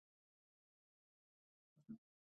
آیا د چیستانونو ځوابول د هوښیارۍ نښه نه ده؟